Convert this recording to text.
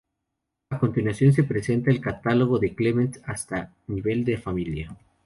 A continuación se presenta el catálogo de Clements hasta nivel de familia.